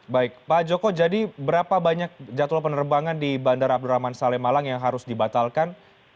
baik pak joko jadi berapa banyak jadwal penerbangan di bandara abdurrahman saleh malang yang harus dibatalkan